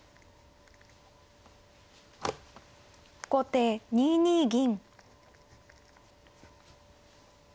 後手２二銀。